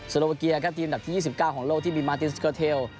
สโลเวอร์เกียร์ครับทีมดับที่๒๙ของโลกที่บิมาร์ตินสเกอร์เทล